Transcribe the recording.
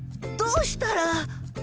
どうしたら。